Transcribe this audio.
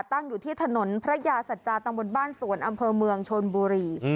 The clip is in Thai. ตั้งอยู่ที่ถนนพระยาสัจจาตำบลบ้านสวนอำเภอเมืองชนบุรี